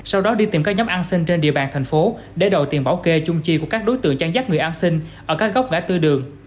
sau đó đi tìm các nhóm ăn xin trên địa bàn thành phố để đổi tiền bảo kê chung chi của các đối tượng chăn rắt người ăn xin ở các góc gã tư đường